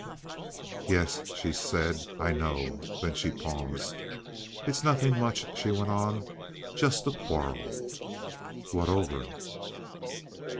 "Yes," she said, "I know." Then she paused. "It's nothing much," she went on—"just a quarrel." "What over?"